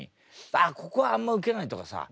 「ああここはあんまウケない」とかさ。